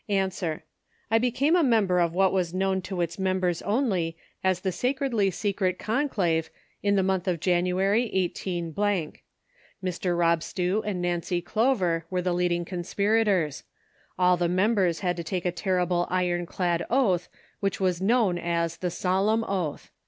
A.— I became a member of what was known to its mem bers only as the Sacredly Secret Conclave in the month of January, 18—. Mr. Rob Stew and Nancy Clover were the leading conspirators. All the members had to take a ter rible iron clad oath, which was known as the solemn oath.